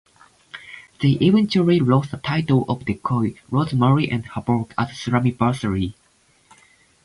They eventually lost the titles to Decay (Rosemary and Havok) at Slammiversary.